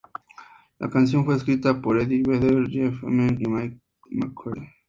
La canción fue escrita por Eddie Vedder, Jeff Ament y Mike McCready.